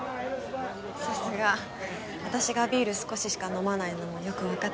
さすが私がビール少ししか飲まないのもよく分かっ